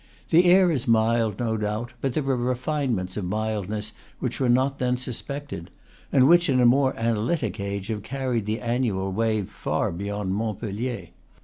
The air is mild, no doubt, but there are refinements of mild ness which were not then suspected, and which in a more analytic age have carried the annual wave far beyond Montpellier.